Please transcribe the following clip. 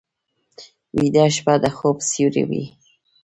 ویده شپه د خوب سیوری وي